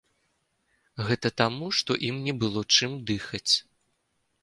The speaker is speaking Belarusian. Гэта таму, што ім не было чым дыхаць.